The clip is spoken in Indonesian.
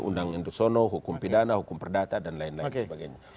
undang induksono hukum pidana hukum perdata dan lain lain sebagainya